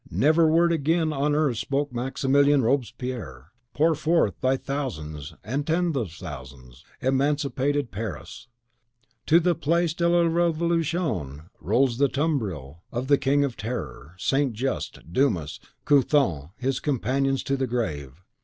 Never a word again on earth spoke Maximilien Robespierre! Pour forth thy thousands, and tens of thousands, emancipated Paris! To the Place de la Revolution rolls the tumbril of the King of Terror, St. Just, Dumas, Couthon, his companions to the grave!